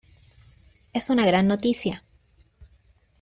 Es una gran noticia.